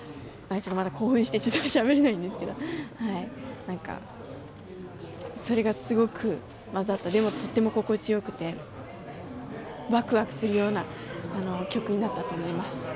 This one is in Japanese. ちょっとまだ興奮してしゃべれないですけどはいそれがすごく混ざったでもとっても心地よくてわくわくするような曲になったと思います。